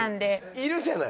いるじゃない。